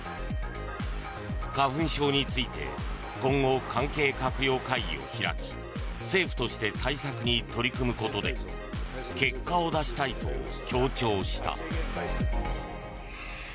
花粉症について今後、関係閣僚会議を開き政府として対策に取り組むことで結果を出したいと強調した。